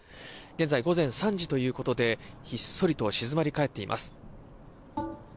現在、午前３時ということでひっそりと静まり返っています。